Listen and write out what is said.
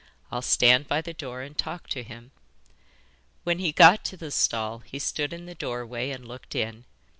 'I'll stand by the door and talk to him.' When he got to the stall he stood in the doorway and looked in.